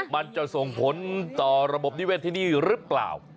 มันจะส่งผลต่อระบบนิเวศที่นี่หรือเปล่า